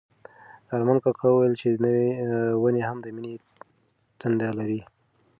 ارمان کاکا وویل چې ونې هم د مینې تنده لري.